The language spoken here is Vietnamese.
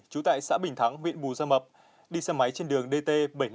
trú tại xã bình thắng huyện bù gia mập đi xe máy trên đường dt bảy trăm năm mươi